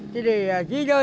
thì chỉ đợi